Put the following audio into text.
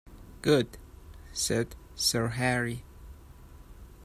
“Good,” said Sir Harry.